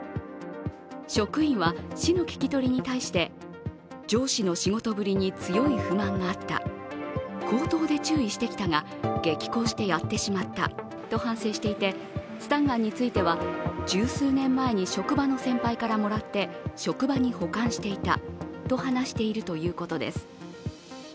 職員は市の聞き取りに対して、上司の仕事ぶりに強い不満があった、口頭で注意してきたが激高してやってしまったと反省していてスタンガンについては、十数年前に職場の先輩からもらって職場に保管していたと話しているということです。